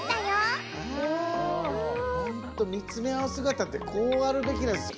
ほんと見つめ合うすがたってこうあるべきです。